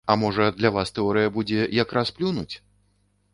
А можа, для вас тэорыя будзе як раз плюнуць?